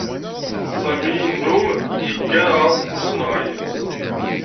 Sami yennum yeggan ɣef usenɣay.